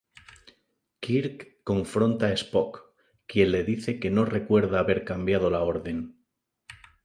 Kirk confronta a Spock, quien le dice que no recuerda haber cambiado la orden.